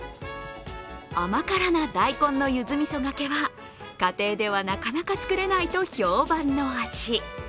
甘辛な大根のゆずみそがけは家庭ではなかなか作れないと評判の味。